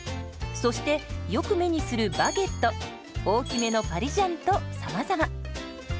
そしてよく目にするバゲット大きめのパリジャンとさまざま。